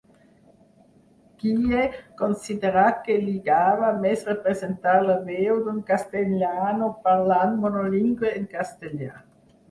Guille considerà que lligava més representar la veu d'un castellanoparlant monolingüe en castellà.